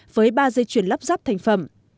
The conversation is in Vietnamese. với ba dây chuyển lắp ráp thành phẩm